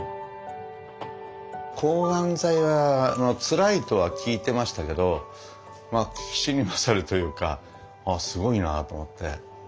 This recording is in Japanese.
抗がん剤はつらいとは聞いてましたけど聞きしに勝るというかすごいなと思って。